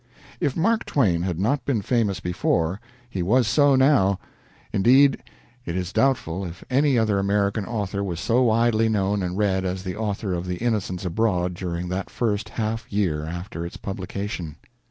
If Mark Twain had not been famous before, he was so now. Indeed, it is doubtful if any other American author was so widely known and read as the author of "The Innocents Abroad" during that first half year after its publication.